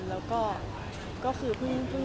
แล้วก็คือพึ่งดู